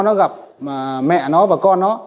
thì nó sẽ ra nó gặp mẹ nó và con nó